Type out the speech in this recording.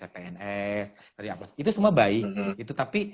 pns itu semua baik tapi